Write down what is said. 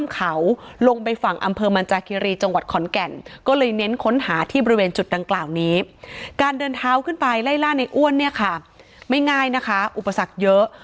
การเดินเท้าขึ้นไปไล่ล่าในอ้วนเนี่ยค่ะไม่ง่ายนะคะอุปสรรคเยอะ